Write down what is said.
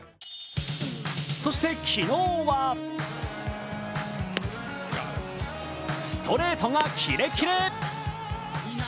そして昨日はストレートがキレキレ。